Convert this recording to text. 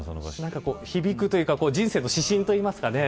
響くというか人生の指針といいますかね。